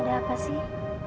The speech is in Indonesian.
ada apa sih